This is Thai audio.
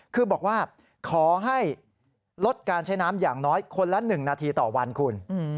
คือบอกว่าขอให้ลดการใช้น้ำอย่างน้อยคนละ๑นาทีต่อวันคุณ